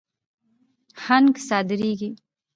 هنګ صادریږي.